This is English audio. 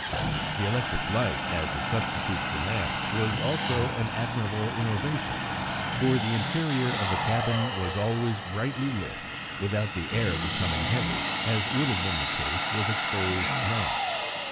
The electric light as a substitute for lamps was also an admirable innovation, for the interior of the cabin was always brightly lit without the air becoming heavy, as would have been the case with exposed lamps.